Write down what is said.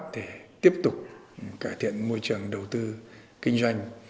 để tiếp tục cải thiện môi trường đầu tư kinh doanh